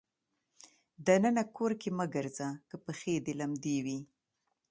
د ننه کور کې مه ګرځه که پښې دې لمدې وي.